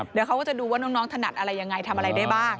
เดี๋ยวเขาก็จะดูว่าน้องถนัดอะไรอย่างไร